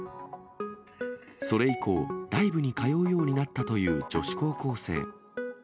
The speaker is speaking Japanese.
それ以降、ライブに通うようになったという女子高校生。